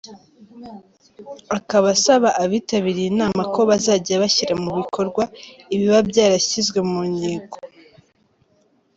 Akaba asaba abitabiriye inama ko bazajya bashyira mu bikorwa ibiba byarashyizwe mu nyigo.